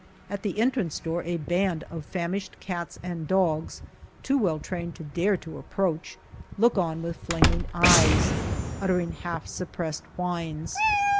At the entrance door a band of famished cats and dogs, too well trained to dare to approach, look on with flaming eyes, uttering half suppressed whines.